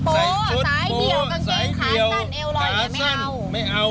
สายดี๋อกางเกงขาสั้นเอวหลอยอย่างไม่เอา